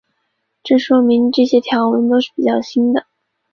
这说明这些条纹是比较新的。